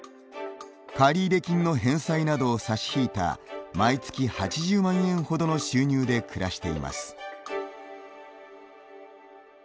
借入金の返済などを差し引いた毎月８０万円ほどの収入で暮らしています。